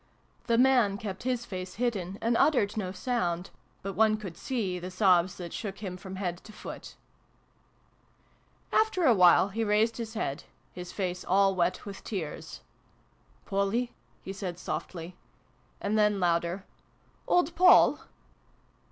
The man kept his face hidden, and uttered no sound : but one could see the sobs that shook him from head to foot. After a while he raised his head his face all wet with tears. " Polly !" he said softly ; and then, louder, " Old Poll